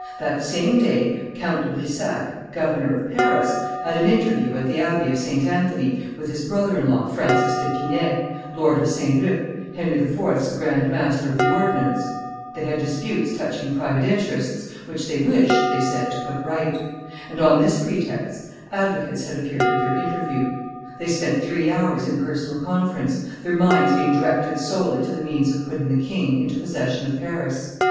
That same day, Count de Brissac, governor of Paris, had an interview at the abbey of St. Anthony, with his brother in law, Francis d'Epinay, Lord of St. Luc, Henry IV.'s grand master of the ordnance; they had disputes touching private interests, which they wished, they said, to put right; and on this pretext advocates had appeared at their interview. They spent three hours in personal conference, their minds being directed solely to the means of putting the king into possession of Paris.